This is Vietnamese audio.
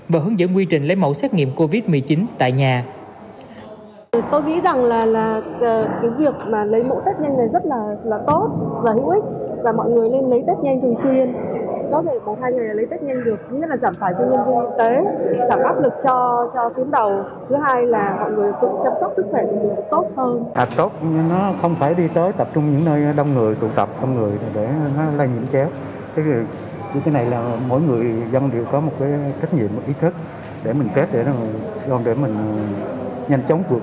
và hướng dẫn quy trình lấy mẫu xét nghiệm covid một mươi chín tại nhà